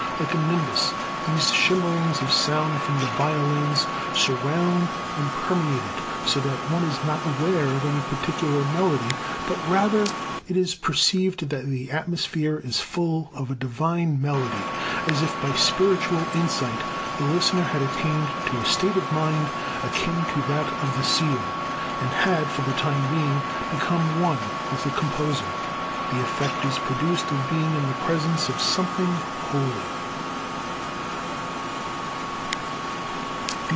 Like a nimbus these shimmerings of sound from the violins surround and permeate it, so that one is not aware of any particular melody, but rather it is perceived that the atmosphere is full of a divine melody, as if by spiritual insight the listener had attained to a state of mind akin to that of the seer, and had, for the time being, become one with the composer. The effect is produced of being in the presence of something holy.